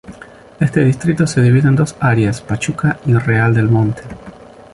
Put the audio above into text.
Este distrito se divide en dos áreas: Pachuca y Real del Monte.